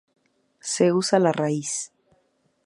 Se usa la raíz.